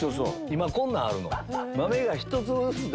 今こんなんあるの。